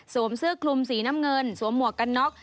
เสื้อคลุมสีน้ำเงินสวมหมวกกันน็อก